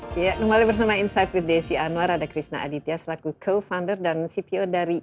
kembali bersama insight with desi anwar ada krishna aditya selaku co founder dan cpo dari